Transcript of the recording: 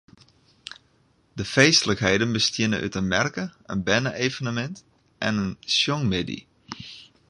De feestlikheden besteane út in merke, in berne-evenemint en in sjongmiddei.